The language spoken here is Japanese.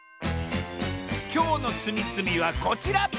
きょうのつみつみはこちら！